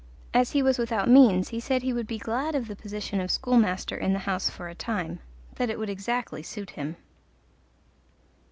As he was without means he said he would be glad of the position of schoolmaster in the house for a time, that it would exactly suit him.